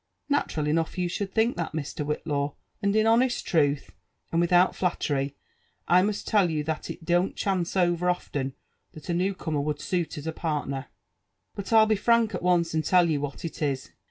*' Natural enough you should think that, Mr. Whitlaw; and in hottest truth, and without flattery, I must tell you that it don't chancb over often that a toew^comer would suit ad a partner. But 1*11 be frank at once and tell you what it is.